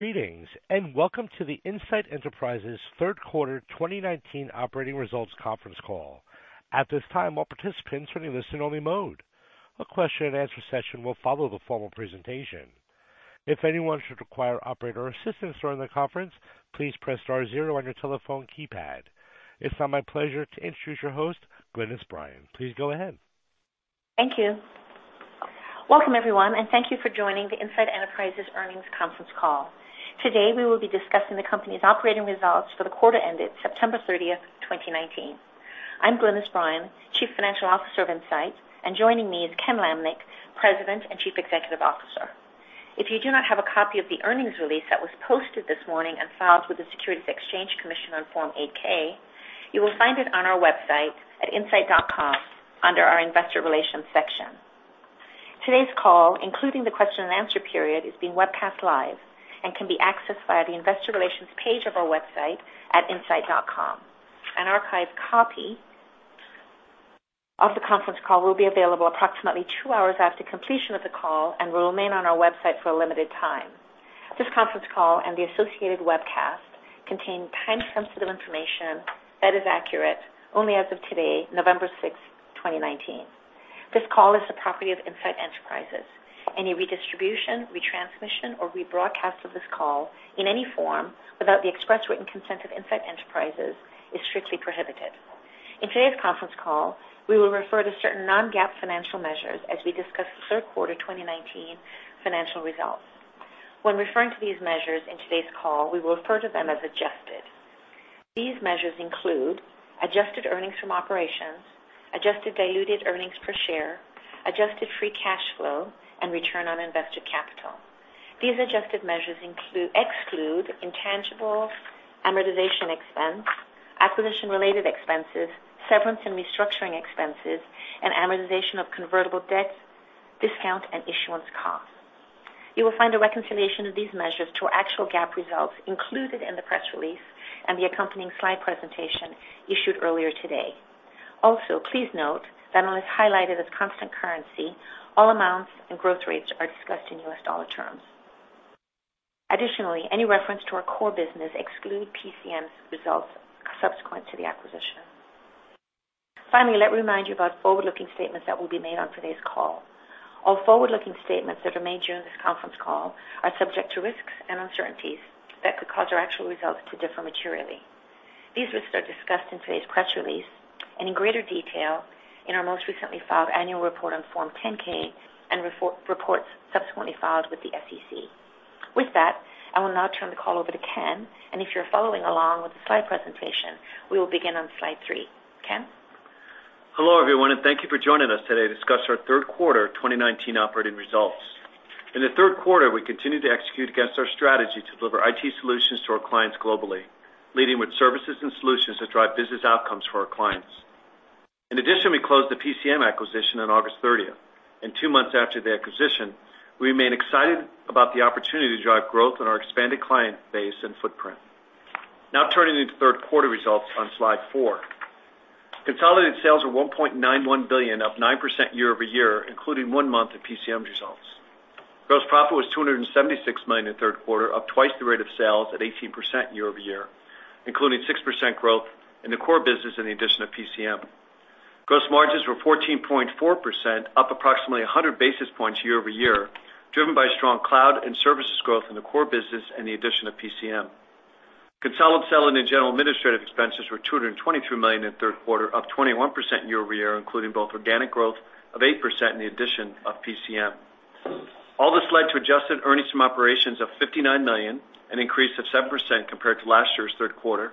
Greetings, and welcome to the Insight Enterprises third quarter 2019 operating results conference call. At this time, all participants are in listen-only mode. A question and answer session will follow the formal presentation. If anyone should require operator assistance during the conference, please press star zero on your telephone keypad. It is now my pleasure to introduce your host, Glynis Bryan. Please go ahead. Thank you. Welcome, everyone, and thank you for joining the Insight Enterprises earnings conference call. Today, we will be discussing the company's operating results for the quarter ended September 30th, 2019. I'm Glynis Bryan, chief financial officer of Insight, and joining me is Ken Lamneck, president and chief executive officer. If you do not have a copy of the earnings release that was posted this morning and filed with the Securities and Exchange Commission on Form 8-K, you will find it on our website at insight.com under our investor relations section. Today's call, including the question and answer period, is being webcast live and can be accessed via the investor relations page of our website at insight.com. An archived copy of the conference call will be available approximately two hours after completion of the call and will remain on our website for a limited time. This conference call and the associated webcast contain time-sensitive information that is accurate only as of today, November 6th, 2019. This call is the property of Insight Enterprises. Any redistribution, retransmission, or rebroadcast of this call in any form without the express written consent of Insight Enterprises is strictly prohibited. In today's conference call, we will refer to certain non-GAAP financial measures as we discuss the third quarter 2019 financial results. When referring to these measures in today's call, we will refer to them as adjusted. These measures include adjusted earnings from operations, adjusted diluted earnings per share, adjusted free cash flow, and return on invested capital. These adjusted measures exclude intangibles, amortization expense, acquisition-related expenses, severance and restructuring expenses, and amortization of convertible debt discount and issuance costs. You will find a reconciliation of these measures to our actual GAAP results included in the press release and the accompanying slide presentation issued earlier today. Please note that unless highlighted as constant currency, all amounts and growth rates are discussed in U.S. dollar terms. Any reference to our core business excludes PCM's results subsequent to the acquisition. Let me remind you about forward-looking statements that will be made on today's call. All forward-looking statements that are made during this conference call are subject to risks and uncertainties that could cause our actual results to differ materially. These risks are discussed in today's press release and in greater detail in our most recently filed annual report on Form 10-K and reports subsequently filed with the SEC. With that, I will now turn the call over to Ken, and if you're following along with the slide presentation, we will begin on slide three. Ken? Hello, everyone, and thank you for joining us today to discuss our third quarter 2019 operating results. In the third quarter, we continued to execute against our strategy to deliver IT solutions to our clients globally, leading with services and solutions that drive business outcomes for our clients. In addition, we closed the PCM acquisition on August 30th. Two months after the acquisition, we remain excited about the opportunity to drive growth in our expanded client base and footprint. Now turning to the third quarter results on slide four. Consolidated sales were $1.91 billion, up 9% year-over-year, including one month of PCM's results. Gross profit was $276 million in the third quarter, up twice the rate of sales at 18% year-over-year, including 6% growth in the core business and the addition of PCM. Gross margins were 14.4%, up approximately 100 basis points year-over-year, driven by strong cloud and services growth in the core business and the addition of PCM. Consolidated selling and general administrative expenses were $223 million in the third quarter, up 21% year-over-year, including both organic growth of 8% and the addition of PCM. All this led to adjusted earnings from operations of $59 million, an increase of 7% compared to last year's third quarter.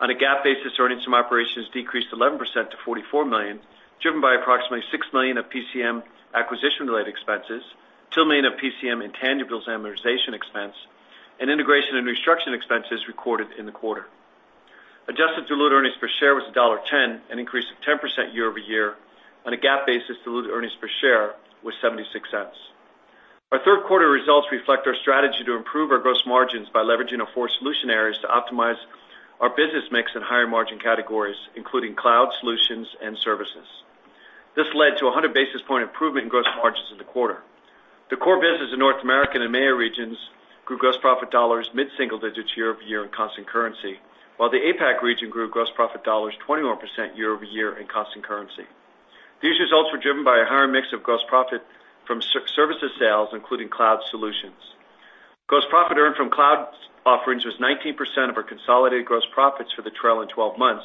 On a GAAP basis, earnings from operations decreased 11% to $44 million, driven by approximately $6 million of PCM acquisition-related expenses, $2 million of PCM intangibles amortization expense, and integration and restructuring expenses recorded in the quarter. Adjusted diluted earnings per share was $1.10, an increase of 10% year-over-year. On a GAAP basis, diluted earnings per share was $0.76. Our third quarter results reflect our strategy to improve our gross margins by leveraging our four solution areas to optimize our business mix in higher margin categories, including cloud solutions and services. This led to 100 basis point improvement in gross margins in the quarter. The core business in North American and EMEA regions grew gross profit dollars mid-single digits year-over-year in constant currency, while the APAC region grew gross profit dollars 21% year-over-year in constant currency. These results were driven by a higher mix of gross profit from services sales, including cloud solutions. Gross profit earned from cloud offerings was 19% of our consolidated gross profits for the trailing 12 months,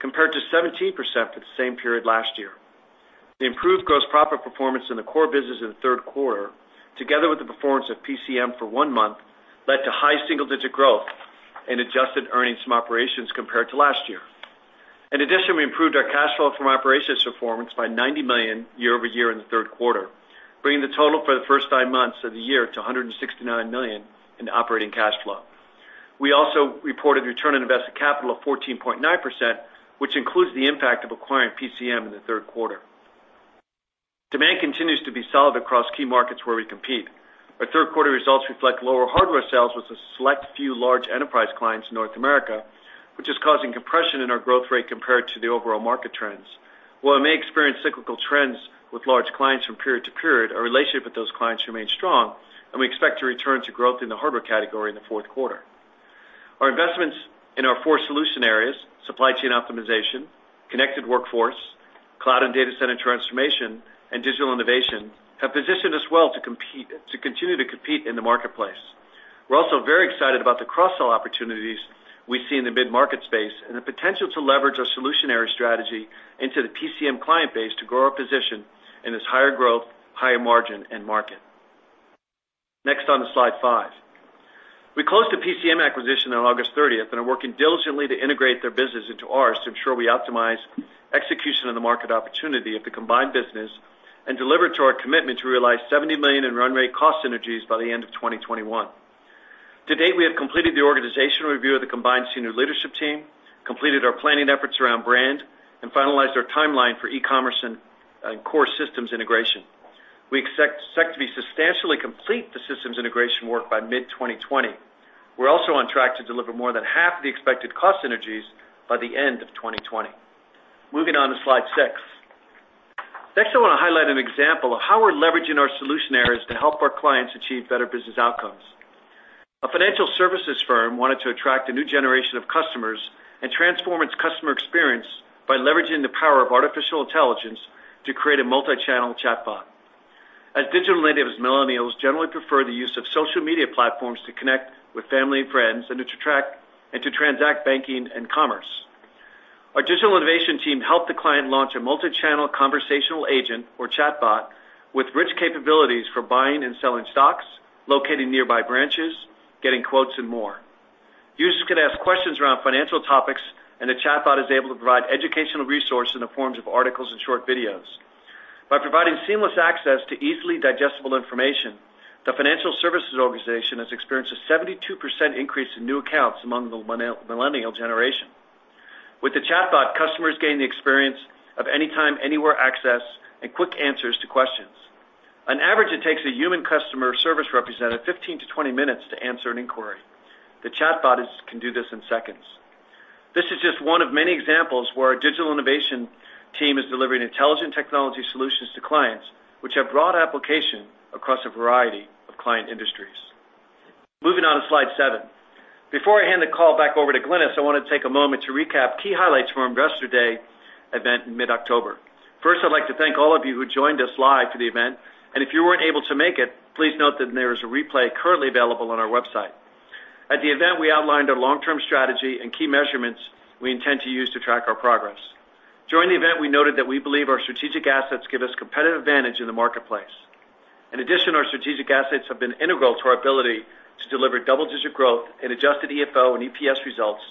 compared to 17% for the same period last year. The improved gross profit performance in the core business in the third quarter, together with the performance of PCM for one month, led to high single-digit growth in adjusted earnings from operations compared to last year. In addition, we improved our cash flow from operations performance by $90 million year-over-year in the third quarter, bringing the total for the first nine months of the year to $169 million in operating cash flow. We also reported return on invested capital of 14.9%, which includes the impact of acquiring PCM in the third quarter. Demand continues to be solid across key markets where we compete. Our third quarter results reflect lower hardware sales with a select few large enterprise clients in North America which is causing compression in our growth rate compared to the overall market trends. While it may experience cyclical trends with large clients from period to period, our relationship with those clients remains strong, and we expect to return to growth in the hardware category in the fourth quarter. Our investments in our four solution areas, supply chain optimization, connected workforce, cloud and data center transformation, and digital innovation, have positioned us well to continue to compete in the marketplace. We're also very excited about the cross-sell opportunities we see in the mid-market space, and the potential to leverage our solution area strategy into the PCM client base to grow our position in this higher growth, higher margin end market. Next on to slide five. We closed the PCM acquisition on August 30th, and are working diligently to integrate their business into ours to ensure we optimize execution in the market opportunity of the combined business, and deliver to our commitment to realize $70 million in run rate cost synergies by the end of 2021. To date, we have completed the organizational review of the combined senior leadership team, completed our planning efforts around brand, and finalized our timeline for e-commerce and core systems integration. We expect to be substantially complete the systems integration work by mid-2020. We're also on track to deliver more than half of the expected cost synergies by the end of 2020. Moving on to slide six. Next, I want to highlight an example of how we're leveraging our solution areas to help our clients achieve better business outcomes. A financial services firm wanted to attract a new generation of customers and transform its customer experience by leveraging the power of artificial intelligence to create a multi-channel chatbot. As digital natives, Millennials generally prefer the use of social media platforms to connect with family and friends, and to transact banking and commerce. Our Digital Innovation team helped the client launch a multi-channel conversational agent or chatbot with rich capabilities for buying and selling stocks, locating nearby branches, getting quotes, and more. Users can ask questions around financial topics, and the chatbot is able to provide educational resources in the forms of articles and short videos. By providing seamless access to easily digestible information, the financial services organization has experienced a 72% increase in new accounts among the Millennial generation. With the chatbot, customers gain the experience of anytime, anywhere access and quick answers to questions. On average, it takes a human customer service representative 15-20 minutes to answer an inquiry. The chatbot can do this in seconds. This is just one of many examples where our Digital Innovation team is delivering intelligent technology solutions to clients, which have broad application across a variety of client industries. Moving on to slide seven. Before I hand the call back over to Glynis, I want to take a moment to recap key highlights from Investor Day event in mid-October. First, I'd like to thank all of you who joined us live for the event, and if you weren't able to make it, please note that there is a replay currently available on our website. At the event, we outlined our long-term strategy and key measurements we intend to use to track our progress. During the event, we noted that we believe our strategic assets give us competitive advantage in the marketplace. In addition, our strategic assets have been integral to our ability to deliver double-digit growth in adjusted EFO and EPS results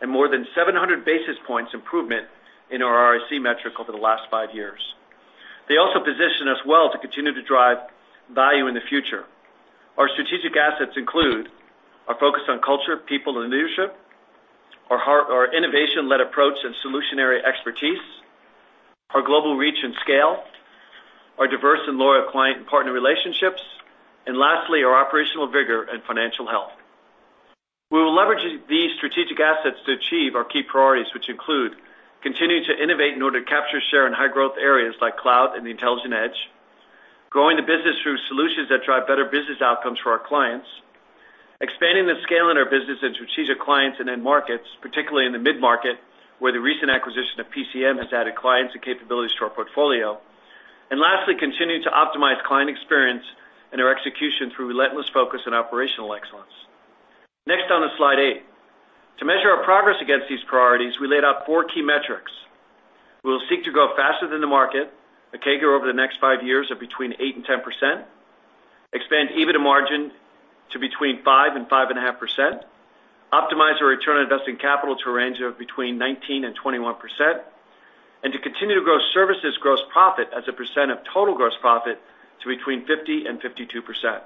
and more than 700 basis points improvement in our ROIC metric over the last five years. They also position us well to continue to drive value in the future. Our strategic assets include our focus on culture, people, and leadership, our innovation-led approach and solutionary expertise, our global reach and scale, our diverse and loyal client and partner relationships, and lastly, our operational vigor and financial health. We will leverage these strategic assets to achieve our key priorities, which include continuing to innovate in order to capture share in high growth areas like cloud and the intelligent edge, growing the business through solutions that drive better business outcomes for our clients, expanding the scale in our business and strategic clients and end markets, particularly in the mid-market, where the recent acquisition of PCM has added clients and capabilities to our portfolio, and lastly, continuing to optimize client experience and our execution through relentless focus on operational excellence. Next on to slide eight. To measure our progress against these priorities, we laid out four key metrics. We will seek to grow faster than the market, a CAGR over the next five years of between 8% and 10%, expand EBITDA margin to between 5% and 5.5%, optimize our return on invested capital to a range of between 19% and 21%, and to continue to grow services gross profit as a percent of total gross profit to between 50% and 52%.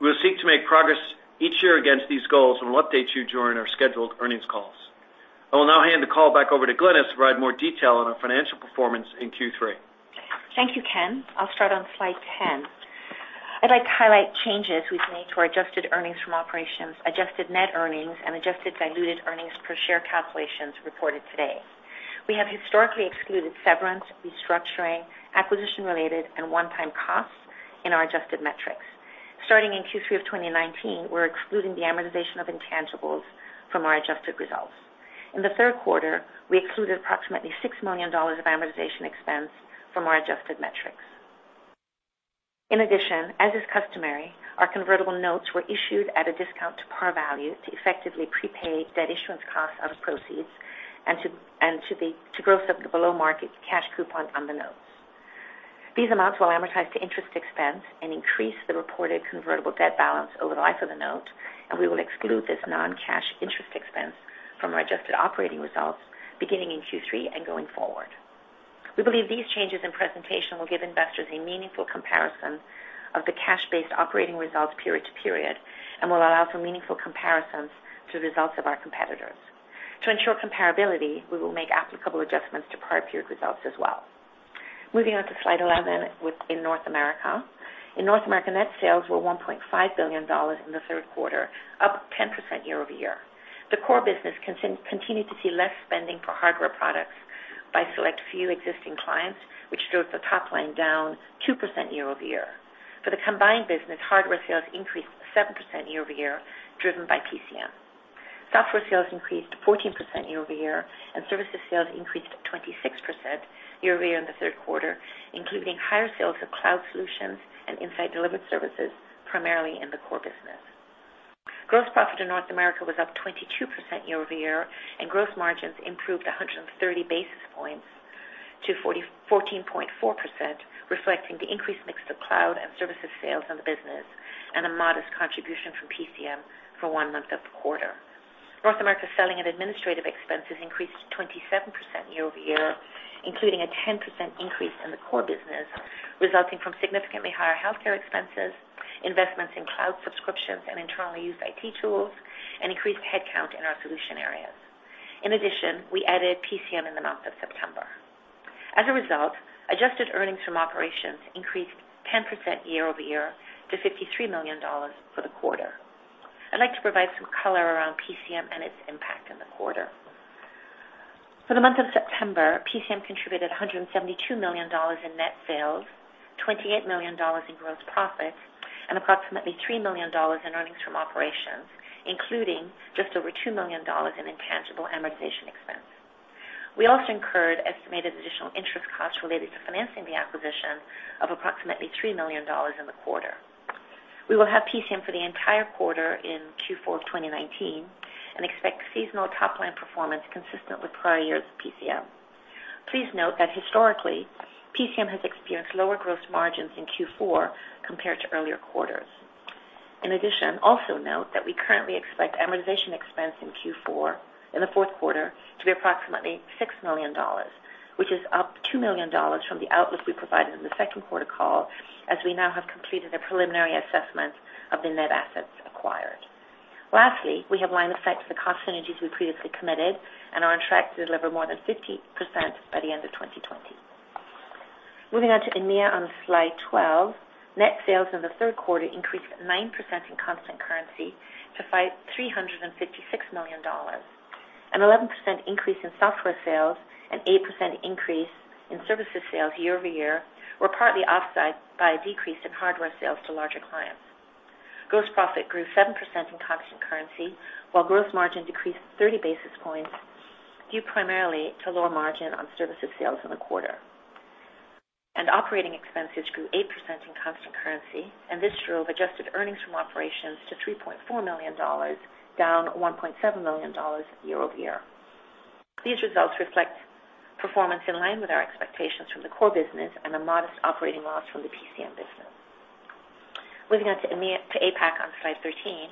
We will seek to make progress each year against these goals and will update you during our scheduled earnings calls. I will now hand the call back over to Glynis to provide more detail on our financial performance in Q3. Thank you, Ken. I'll start on slide 10. I'd like to highlight changes we've made to our adjusted earnings from operations, adjusted net earnings, and adjusted diluted earnings per share calculations reported today. We have historically excluded severance, restructuring, acquisition-related, and one-time costs in our adjusted metrics. Starting in Q3 of 2019, we're excluding the amortization of intangibles from our adjusted results. In the third quarter, we excluded approximately $6 million of amortization expense from our adjusted metrics. In addition, as is customary, our convertible notes were issued at a discount to par value to effectively prepaid debt issuance costs out of proceeds and to gross up the below-market cash coupon on the notes. These amounts will amortize to interest expense and increase the reported convertible debt balance over the life of the note, and we will exclude this non-cash interest expense from our adjusted operating results beginning in Q3 and going forward. We believe these changes in presentation will give investors a meaningful comparison of the cash-based operating results period to period, and will allow for meaningful comparisons to results of our competitors. To ensure comparability, we will make applicable adjustments to prior period results as well. Moving on to slide 11 in North America. In North America, net sales were $1.5 billion in the third quarter, up 10% year-over-year. The core business continued to see less spending for hardware products by a select few existing clients, which drove the top line down 2% year-over-year. For the combined business, hardware sales increased 7% year-over-year, driven by PCM. Software sales increased 14% year-over-year, and services sales increased 26% year-over-year in the third quarter, including higher sales of cloud solutions and Insight-delivered services primarily in the core business. Gross profit in North America was up 22% year-over-year, and gross margins improved 130 basis points to 14.4%, reflecting the increased mix of cloud and services sales in the business and a modest contribution from PCM for one month of the quarter. North America selling and administrative expenses increased 27% year-over-year, including a 10% increase in the core business, resulting from significantly higher healthcare expenses, investments in cloud subscriptions and internally used IT tools, and increased headcount in our solution areas. In addition, we added PCM in the month of September. As a result, adjusted earnings from operations increased 10% year-over-year to $53 million for the quarter. I'd like to provide some color around PCM and its impact on the quarter. For the month of September, PCM contributed $172 million in net sales, $28 million in gross profits, and approximately $3 million in earnings from operations, including just over $2 million in intangible amortization expense. We also incurred estimated additional interest costs related to financing the acquisition of approximately $3 million in the quarter. We will have PCM for the entire quarter in Q4 of 2019 and expect seasonal top-line performance consistent with prior years' PCM. Please note that historically, PCM has experienced lower gross margins in Q4 compared to earlier quarters. In addition, also note that we currently expect amortization expense in Q4, in the fourth quarter, to be approximately $6 million, which is up $2 million from the outlook we provided in the second quarter call, as we now have completed a preliminary assessment of the net assets acquired. Lastly, we have line of sight to the cost synergies we previously committed and are on track to deliver more than 50% by the end of 2020. Moving on to EMEA on slide 12, net sales in the third quarter increased 9% in constant currency to $356 million. An 11% increase in software sales, an 8% increase in services sales year-over-year were partly offset by a decrease in hardware sales to larger clients. Gross profit grew 7% in constant currency, while gross margin decreased 20 basis points, due primarily to lower margin on services sales in the quarter. Operating expenses grew 8% in constant currency, and this drove adjusted earnings from operations to $3.4 million, down $1.7 million year-over-year. These results reflect performance in line with our expectations from the core business and a modest operating loss from the PCM business. Moving on to APAC on slide 13,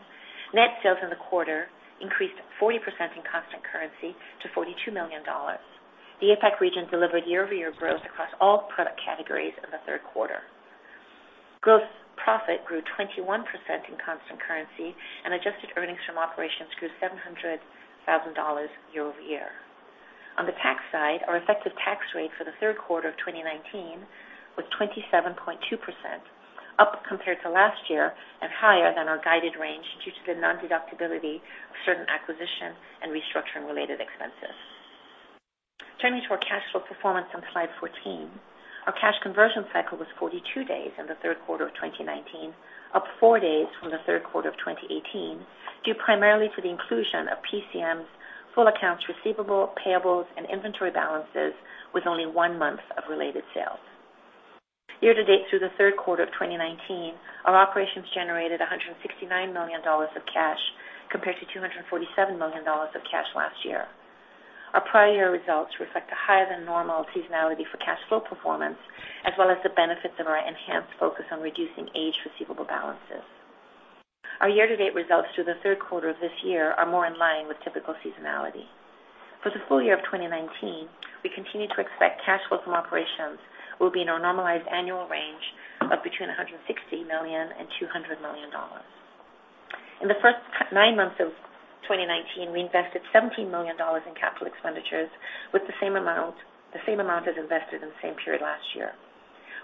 net sales in the quarter increased 40% in constant currency to $42 million. The APAC region delivered year-over-year growth across all product categories in the third quarter. Gross profit grew 21% in constant currency, and adjusted earnings from operations grew $700,000 year-over-year. On the tax side, our effective tax rate for the third quarter of 2019 was 27.2%, up compared to last year and higher than our guided range due to the non-deductibility of certain acquisition and restructuring-related expenses. Turning to our cash flow performance on slide 14, our cash conversion cycle was 42 days in the third quarter of 2019, up four days from the third quarter of 2018, due primarily to the inclusion of PCM's full accounts receivable, payables, and inventory balances with only one month of related sales. Year-to-date through the third quarter of 2019, our operations generated $169 million of cash compared to $247 million of cash last year. Our prior year results reflect a higher-than-normal seasonality for cash flow performance, as well as the benefits of our enhanced focus on reducing aged receivable balances. Our year-to-date results through the third quarter of this year are more in line with typical seasonality. For the full year of 2019, we continue to expect cash flow from operations will be in our normalized annual range of between $160 million and $200 million. In the first nine months of 2019, we invested $17 million in capital expenditures, with the same amount as invested in the same period last year.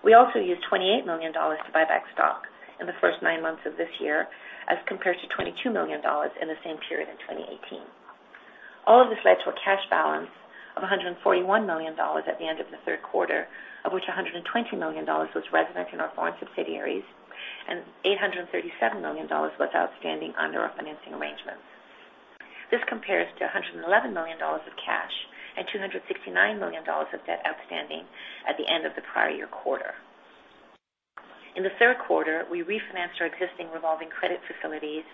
We also used $28 million to buy back stock in the first nine months of this year, as compared to $22 million in the same period in 2018. All of this led to a cash balance of $141 million at the end of the third quarter, of which $120 million was resident in our foreign subsidiaries and $837 million was outstanding under our financing arrangements. This compares to $111 million of cash and $269 million of debt outstanding at the end of the prior year quarter. In the third quarter, we refinanced our existing revolving credit facilities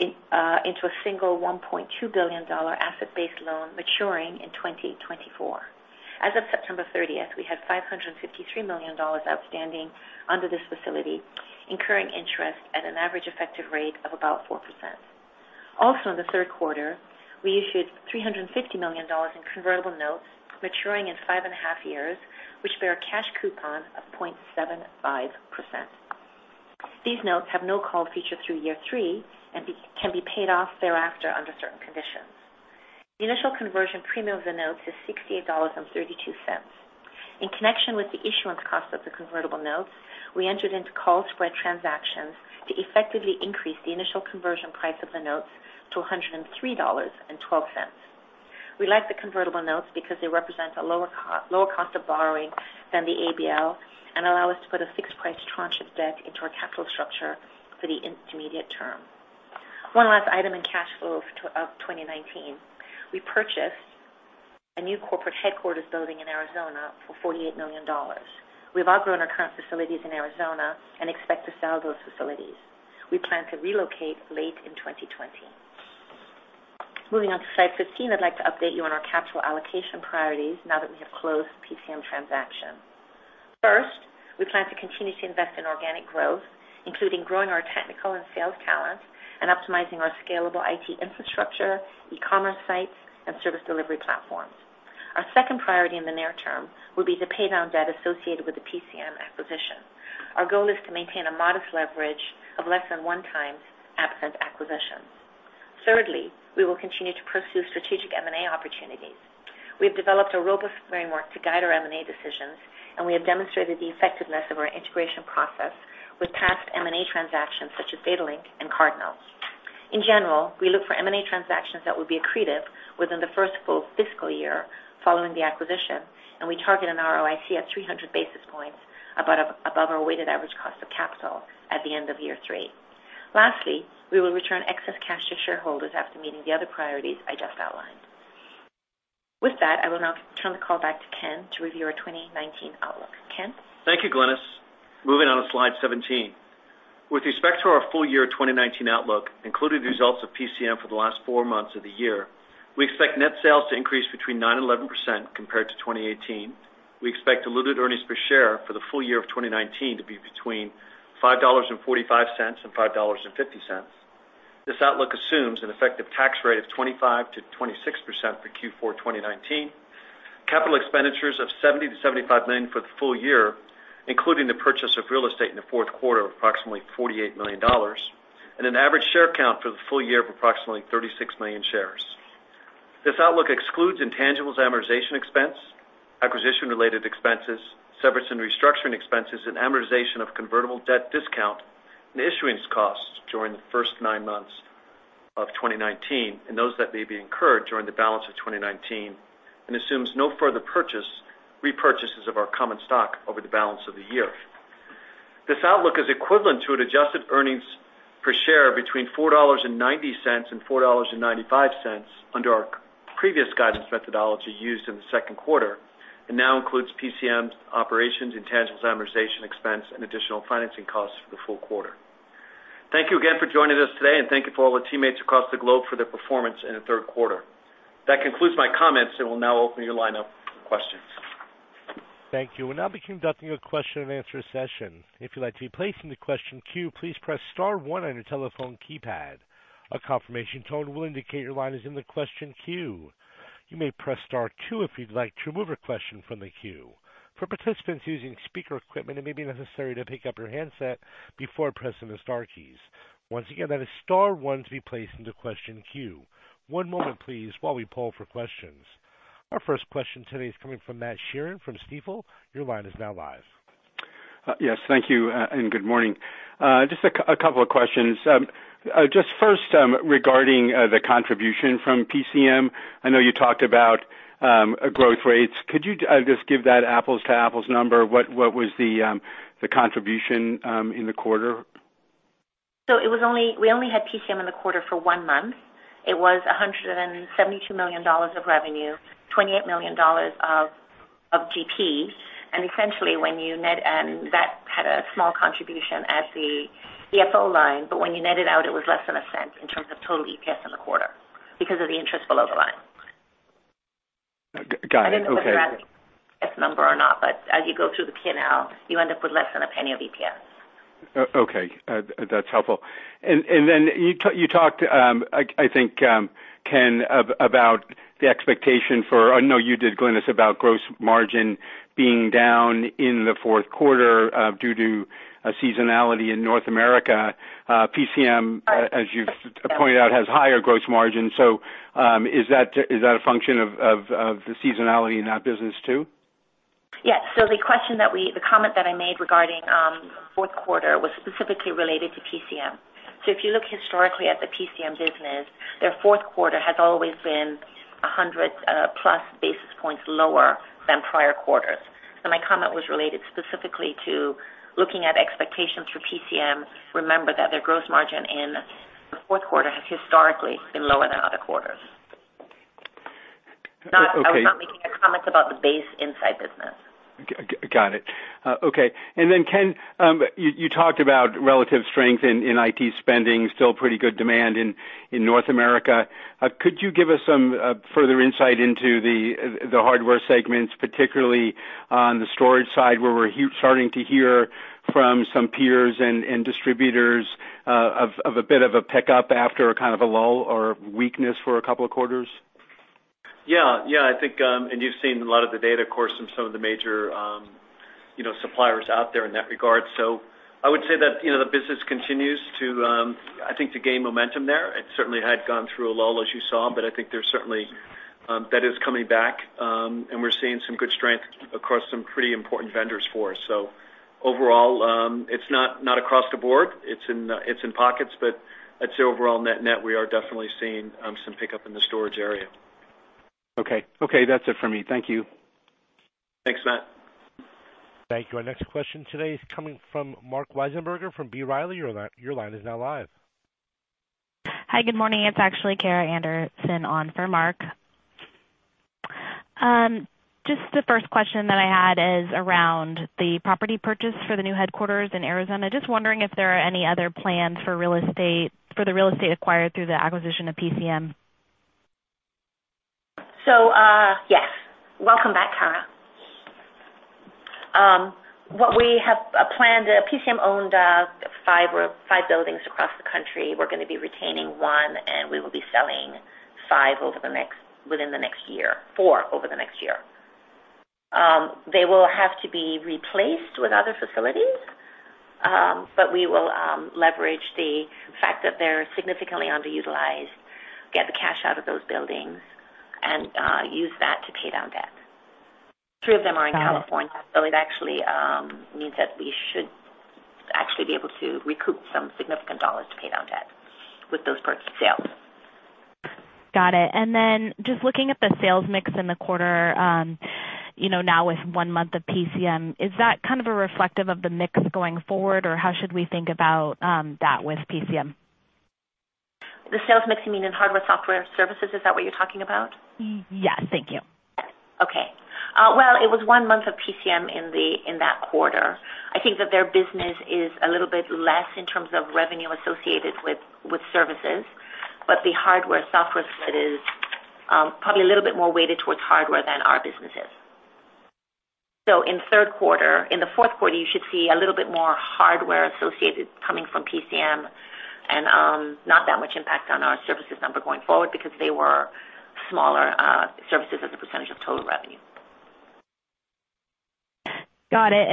into a single $1.2 billion asset-based loan maturing in 2024. As of September 30th, we had $553 million outstanding under this facility, incurring interest at an average effective rate of about 4%. In the third quarter, we issued $350 million in convertible notes maturing in five and a half years, which bear a cash coupon of 0.75%. These notes have no call feature through year three and can be paid off thereafter under certain conditions. The initial conversion premium of the notes is $68.32. In connection with the issuance cost of the convertible notes, we entered into call spread transactions to effectively increase the initial conversion price of the notes to $103.12. We like the convertible notes because they represent a lower cost of borrowing than the ABL and allow us to put a fixed price tranche of debt into our capital structure for the intermediate term. One last item in cash flow of 2019, we purchased a new corporate headquarters building in Arizona for $48 million. We've outgrown our current facilities in Arizona and expect to sell those facilities. We plan to relocate late in 2020. Moving on to slide 15, I'd like to update you on our capital allocation priorities now that we have closed PCM transaction. First, we plan to continue to invest in organic growth, including growing our technical and sales talent and optimizing our scalable IT infrastructure, e-commerce sites, and service delivery platforms. Our second priority in the near term will be to pay down debt associated with the PCM acquisition. Our goal is to maintain a modest leverage of less than one times absent acquisitions. Thirdly, we will continue to pursue strategic M&A opportunities. We've developed a robust framework to guide our M&A decisions, and we have demonstrated the effectiveness of our integration process with past M&A transactions, such as Datalink and Cardinal. In general, we look for M&A transactions that will be accretive within the first full fiscal year following the acquisition, and we target an ROIC at 300 basis points above our weighted average cost of capital at the end of year three. Lastly, we will return excess cash to shareholders after meeting the other priorities I just outlined. With that, I will now turn the call back to Ken to review our 2019 outlook. Ken? Thank you, Glynis. Moving on to slide 17. With respect to our full year 2019 outlook, including the results of PCM for the last four months of the year, we expect net sales to increase between 9% and 11% compared to 2018. We expect diluted earnings per share for the full year of 2019 to be between $5.45 and $5.50. This outlook assumes an effective tax rate of 25%-26% for Q4 2019, capital expenditures of $70 million-$75 million for the full year, including the purchase of real estate in the fourth quarter of approximately $48 million, and an average share count for the full year of approximately 36 million shares. This outlook excludes intangibles amortization expense, acquisition-related expenses, severance and restructuring expenses, and amortization of convertible debt discount and issuance costs during the first nine months of 2019, and those that may be incurred during the balance of 2019, and assumes no further repurchases of our common stock over the balance of the year. This outlook is equivalent to an adjusted earnings per share between $4.90 and $4.95 under our previous guidance methodology used in the second quarter, and now includes PCM's operations, intangibles amortization expense, and additional financing costs for the full quarter. Thank you again for joining us today, and thank you for all the teammates across the globe for their performance in the third quarter. That concludes my comments, and we'll now open your line up for questions. Thank you. We'll now be conducting a question and answer session. If you'd like to be placed into question queue, please press star one on your telephone keypad. A confirmation tone will indicate your line is in the question queue. You may press star two if you'd like to remove a question from the queue. For participants using speaker equipment, it may be necessary to pick up your handset before pressing the star keys. Once again, that is star one to be placed into question queue. One moment, please, while we poll for questions. Our first question today is coming from Matt Sheerin from Stifel. Your line is now live. Yes. Thank you, and good morning. Just a couple of questions. Just first, regarding the contribution from PCM, I know you talked about growth rates. Could you just give that apples to apples number? What was the contribution in the quarter? We only had PCM in the quarter for one month. It was $172 million of revenue, $28 million of GP. Essentially, that had a small contribution at the EFO line. When you net it out, it was less than $0.01 in terms of total EPS in the quarter because of the interest below the line. Got it. Okay. I don't know if that's a relevant number or not, but as you go through the P&L, you end up with less than $0.01 of EPS. Okay. That's helpful. You talked, I think, Ken, or no, you did, Glynis, about gross margin being down in the fourth quarter due to seasonality in North America. PCM, as you've pointed out, has higher gross margin. Is that a function of the seasonality in that business, too? Yes. The comment that I made regarding fourth quarter was specifically related to PCM. If you look historically at the PCM business, their fourth quarter has always been 100-plus basis points lower than prior quarters. My comment was related specifically to looking at expectations for PCM. Remember that their gross margin in the fourth quarter has historically been lower than other quarters. Okay. I was not making a comment about the base Insight business. Got it. Okay. Ken, you talked about relative strength in IT spending, still pretty good demand in North America. Could you give us some further insight into the hardware segments, particularly on the storage side, where we're starting to hear from some peers and distributors of a bit of a pickup after a kind of a lull or weakness for a couple of quarters? Yeah. I think, and you've seen a lot of the data, of course, from some of the major suppliers out there in that regard. I would say that the business continues, I think, to gain momentum there. It certainly had gone through a lull, as you saw, but I think that is coming back, and we're seeing some good strength across some pretty important vendors for us. Overall, it's not across the board. It's in pockets, but I'd say overall, net we are definitely seeing some pickup in the storage area. Okay. That's it for me. Thank you. Thanks, Matt. Thank you. Our next question today is coming from Marc Wiesenberger from B. Riley. Your line is now live. Hi. Good morning. It's actually Kara Anderson on for Marc. Just the first question that I had is around the property purchase for the new headquarters in Arizona. Just wondering if there are any other plans for the real estate acquired through the acquisition of PCM. Yes. Welcome back, Kara. What we have planned, PCM owned five buildings across the country. We're going to be retaining one, and we will be selling four over the next year. They will have to be replaced with other facilities, we will leverage the fact that they're significantly underutilized, get the cash out of those buildings, and use that to pay down debt. Three of them are in California, it actually means that we should actually be able to recoup some significant dollars to pay down debt with those first sales. Got it. Then just looking at the sales mix in the quarter, now with one month of PCM, is that kind of reflective of the mix going forward, or how should we think about that with PCM? The sales mix, you mean in hardware, software, services? Is that what you're talking about? Yes. Thank you. Okay. Well, it was one month of PCM in that quarter. I think that their business is a little bit less in terms of revenue associated with services, but the hardware software split is probably a little bit more weighted towards hardware than our business is. In the fourth quarter, you should see a little bit more hardware associated coming from PCM and not that much impact on our services number going forward because they were smaller services as a percentage of total revenue. Got it.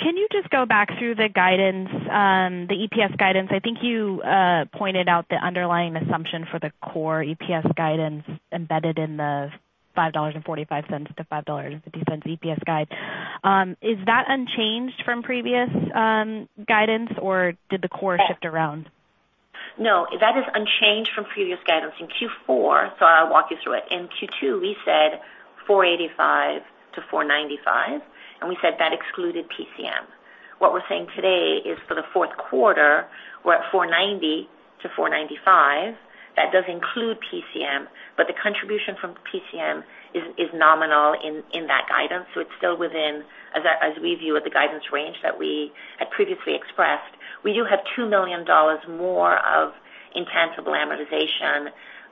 Can you just go back through the guidance, the EPS guidance? I think you pointed out the underlying assumption for the core EPS guidance embedded in the $5.45-$5.50 EPS guide. Is that unchanged from previous guidance, or did the core shift around? No, that is unchanged from previous guidance in Q4. I'll walk you through it. In Q2, we said $4.85-$4.95, we said that excluded PCM. What we're saying today is for the fourth quarter, we're at $4.90-$4.95. That does include PCM, the contribution from PCM is nominal in that guidance. It's still within, as we view it, the guidance range that we had previously expressed. We do have $2 million more of intangible amortization.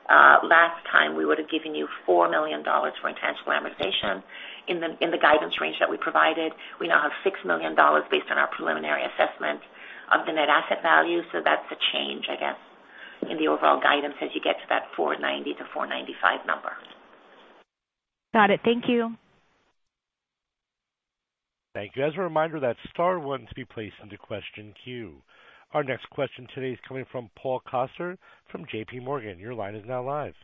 Last time, we would've given you $4 million for intangible amortization in the guidance range that we provided. We now have $6 million based on our preliminary assessment of the net asset value. That's a change, I guess, in the overall guidance as you get to that $4.90-$4.95 number. Got it. Thank you. Thank you. As a reminder, that's star one to be placed into question queue. Our next question today is coming from Paul Coster from JPMorgan. Your line is now live.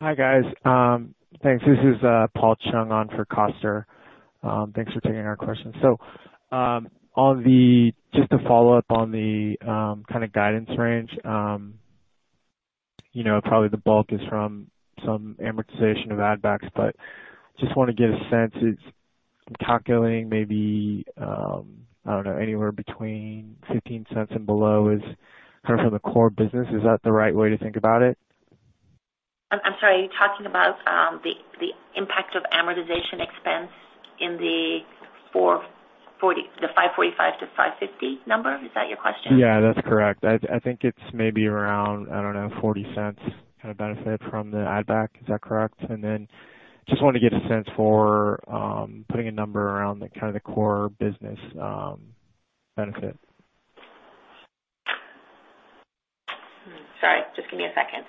Hi, guys. Thanks. This is Paul Chung on for Coster. Thanks for taking our question. Just to follow up on the kind of guidance range, probably the bulk is from some amortization of add backs, but just want to get a sense. I'm calculating maybe, I don't know, anywhere between $0.15 and below is kind of from the core business. Is that the right way to think about it? I'm sorry, are you talking about the impact of amortization expense in the $5.45-$5.50 number? Is that your question? Yeah, that's correct. I think it's maybe around, I don't know, $0.40 kind of benefit from the add back. Is that correct? Just wanted to get a sense for putting a number around the kind of the core business benefit. Sorry. Just give me a second.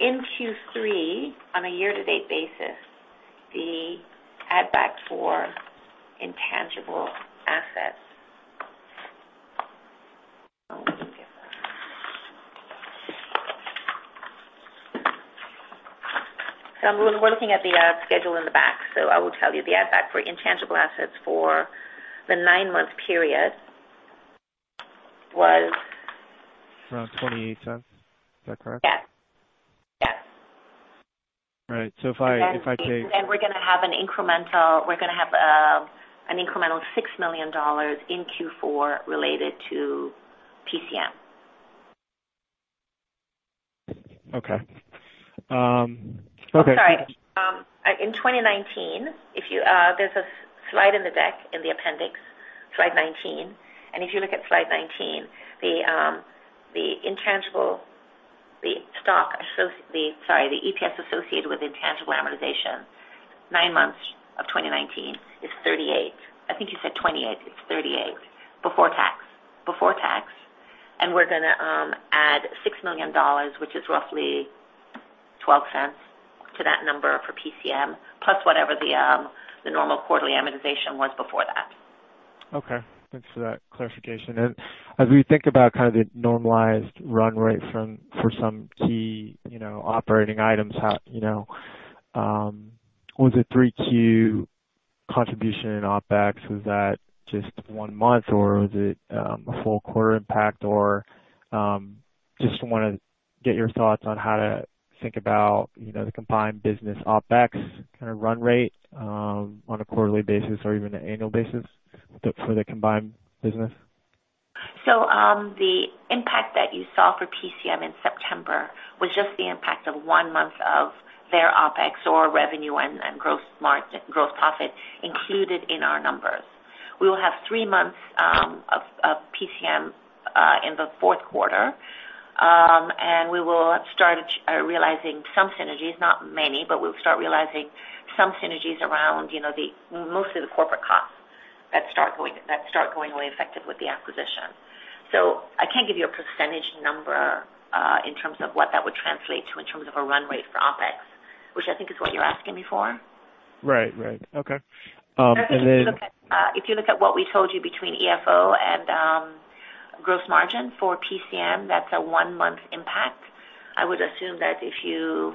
In Q3, on a year-to-date basis, the add back for intangible assets, we're looking at the schedule in the back, so I will tell you the add back for intangible assets for the nine-month period. Around $0.28. Is that correct? Yes. All right. If I take- We're going to have an incremental $6 million in Q4 related to PCM. Okay. I'm sorry. In 2019, there's a slide in the deck, in the appendix, slide 19. If you look at slide 19, the EPS associated with intangible amortization nine months of 2019 is $0.38. I think you said $0.28. It's $0.38 before tax. We're going to add $6 million, which is roughly $0.12 to that number for PCM, plus whatever the normal quarterly amortization was before that. Okay. Thanks for that clarification. As we think about kind of the normalized run rate for some key operating items, was the 3Q contribution in OpEx, was that just one month or was it a full quarter impact? I just want to get your thoughts on how to think about the combined business OpEx kind of run rate on a quarterly basis or even an annual basis for the combined business. The impact that you saw for PCM in September was just the impact of one month of their OpEx or revenue and gross profit included in our numbers. We will have three months of PCM, in the fourth quarter. We will start realizing some synergies, not many, but we'll start realizing some synergies around mostly the corporate costs that start going away effective with the acquisition. I can't give you a percentage number in terms of what that would translate to in terms of a run rate for OpEx, which I think is what you're asking me for. Right. Okay. If you look at what we told you between EFO and gross margin for PCM, that's a one-month impact. I would assume that if you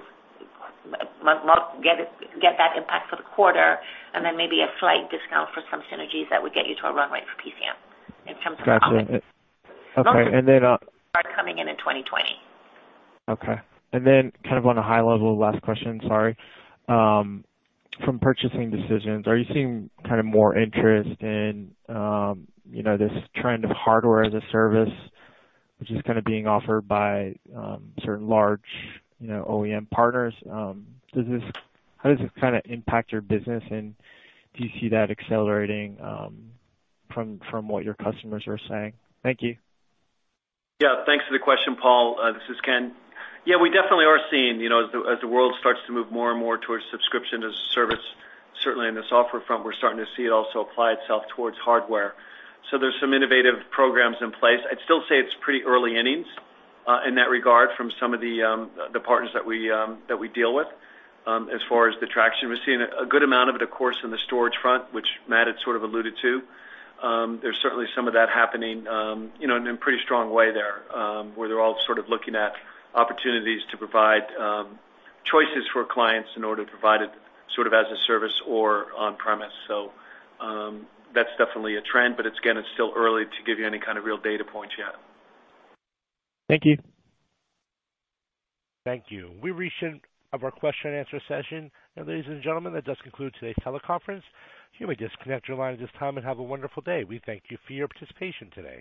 get that impact for the quarter and then maybe a slight discount for some synergies, that would get you to a run rate for PCM in terms of OpEx. Got you. Okay. Most of it start coming in in 2020. Okay. Then kind of on a high level, last question, sorry. From purchasing decisions, are you seeing more interest in this trend of Hardware as a Service, which is kind of being offered by certain large OEM partners? How does this kind of impact your business, and do you see that accelerating from what your customers are saying? Thank you. Thanks for the question, Paul. This is Ken. We definitely are seeing, as the world starts to move more and more towards subscription as a service, certainly in the software front, we're starting to see it also apply itself towards hardware. There's some innovative programs in place. I'd still say it's pretty early innings, in that regard, from some of the partners that we deal with. As far as the traction, we're seeing a good amount of it, of course, in the storage front, which Matt had sort of alluded to. There's certainly some of that happening in a pretty strong way there, where they're all sort of looking at opportunities to provide choices for clients in order to provide it sort of as a service or on premise. That's definitely a trend, but again, it's still early to give you any kind of real data points yet. Thank you. Thank you. We've reached the end of our question and answer session. Ladies and gentlemen, that does conclude today's teleconference. You may disconnect your line at this time, and have a wonderful day. We thank you for your participation today.